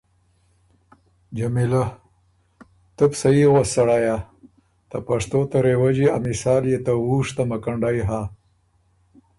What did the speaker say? جمیلۀ: تُو بو صحیح غؤس سړیا! ته پشتو ته رېوجی ا مثال يې ته وُوش ته مکنډئ هۀ